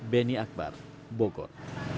beni akbar bogor